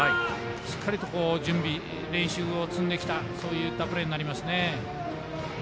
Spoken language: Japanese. しっかりと準備、練習を積んできたプレーになりますね。